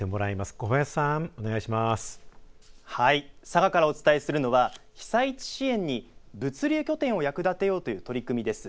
佐賀からお伝えするのは被災地支援に物流拠点を役立てようという取り組みです。